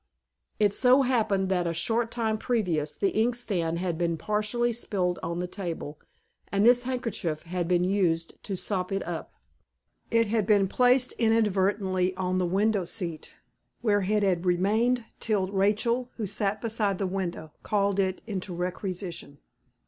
It so happened that a short time previous the inkstand had been partially spilled on the table, and this handkerchief had been used to sop it up. It had been placed inadvertently on the window seat, where it had remained till Rachel, who sat beside the window, called it into requisition.